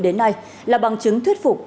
đến nay là bằng chứng thuyết phục